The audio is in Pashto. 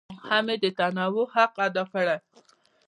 هم یې د تنوع حق ادا کړی.